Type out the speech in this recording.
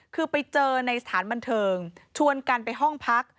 คือไปเจอในสถานบันเทิงชวนกันไปห้องพัก